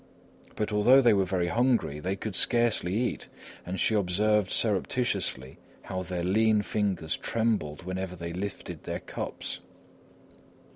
But although they were very hungry, they could scarcely eat, and she observed surreptitiously how their lean fingers trembled whenever they lifted their cups.